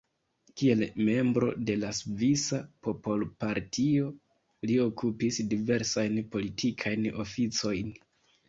Kiel membro de la Svisa Popolpartio li okupis diversajn politikajn oficojn.